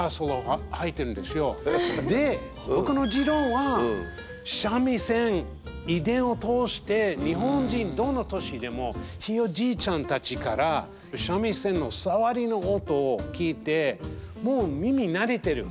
で僕の持論は三味線遺伝を通して日本人どの年でもひいおじいちゃんたちから三味線のサワリの音を聞いてもう耳慣れてる。